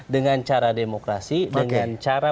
dengan cara demokrasi dengan cara